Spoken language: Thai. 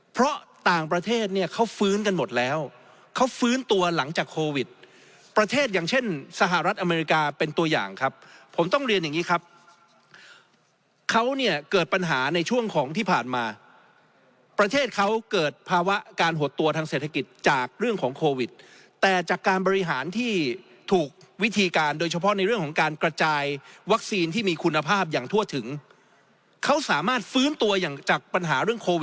เพราะต่างประเทศเนี่ยเขาฟื้นกันหมดแล้วเขาฟื้นตัวหลังจากโควิดประเทศอย่างเช่นสหรัฐอเมริกาเป็นตัวอย่างครับผมต้องเรียนอย่างงี้ครับเขาเนี่ยเกิดปัญหาในช่วงของที่ผ่านมาประเทศเขาเกิดภาวะการหดตัวทางเศรษฐกิจจากเรื่องของโควิดแต่จากการบริหารที่ถูกวิธีการโดยเฉพาะในเรื่องข